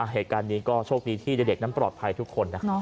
เหตุการณ์นี้ก็โชคดีที่เด็กนั้นปลอดภัยทุกคนนะ